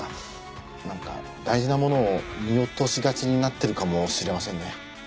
なんか大事なものを見落としがちになってるかもしれませんね。